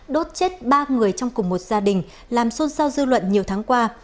đốt chết ba người trong cùng một gia đình làm xôn xao dư luận nhiều tháng qua